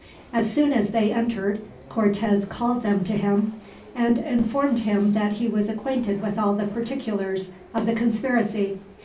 As soon as they entered, Cortez called them to him, and informed him that he was acquainted with all the particulars of the conspiracy.